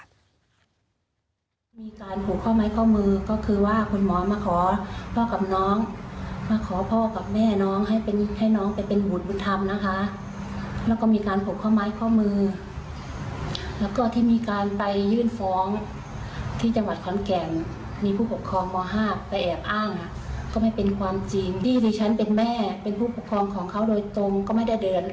ดีที่ฉันเป็นแม่เป็นผู้ปกครองของเขาโดยตรงก็ไม่ได้เดือดร้อนอะไร